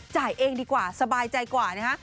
จ่ายเองดีกว่าสบายใจกว่านะฮะ